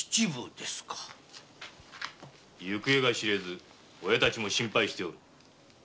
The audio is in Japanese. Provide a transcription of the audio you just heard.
行方が知れず親たちも心配しておる。